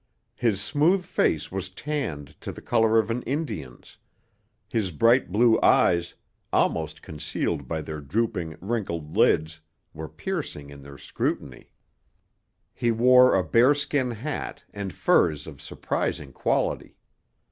His smooth face was tanned to the colour of an Indian's his bright blue eyes, almost concealed by their drooping, wrinkled lids, were piercing in their scrutiny. He wore a bearskin hat and furs of surprising quality.